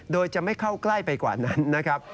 โดยจะไม่เข้าใกล้ไปกว่านั้นนะครับ